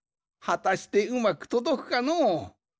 はたしてうまくとどくかのう。